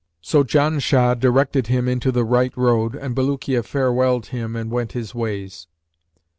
So Janshah directed him into the right road, and Bulukiya farewelled him and went his ways."